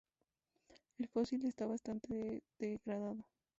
El fósil está bastante degradado.